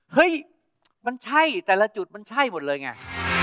เฮ้ยมันใช่แต่ละจุดมันใช่หมดเลยไง